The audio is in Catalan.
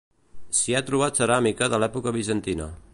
S'hi ha trobat ceràmica de l'època bizantina.